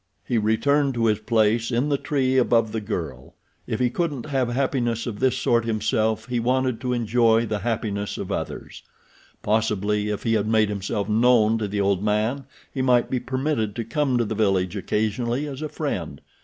He returned to his place in the tree above the girl. If he couldn't have happiness of this sort himself he wanted to enjoy the happiness of others. Possibly if he made himself known to the old man he might be permitted to come to the village occasionally as a friend.